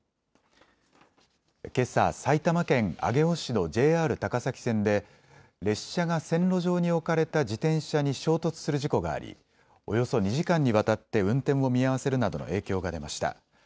けさ埼玉県上尾市のＪＲ高崎線で列車が線路上に置かれた自転車に衝突する事故がありおよそ２時間にわたって運転を見合わせるなどの影響が出ました。